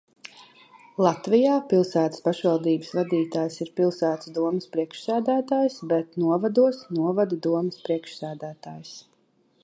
Latvijā pilsētas pašvaldības vadītājs ir pilsētas domes priekšsēdētājs, bet novados – novada domes priekšsēdētājs.